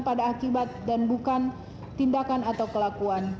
pada akibat dan bukan tindakan atau kelakuan